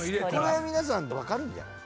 これは皆さん分かるんじゃない？